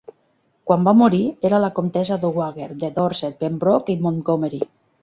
Quan va morir era la comtessa Dowager de Dorset, Pembroke, i Montgomery.